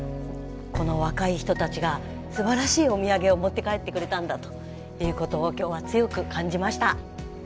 この若い人たちがすばらしいお土産を持って帰ってくれたんだということを今日は強く感じました。